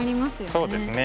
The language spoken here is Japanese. そうですね。